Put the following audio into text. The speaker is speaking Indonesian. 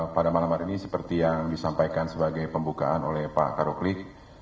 pada malam hari ini seperti yang disampaikan sebagai pembukaan oleh pak karoklik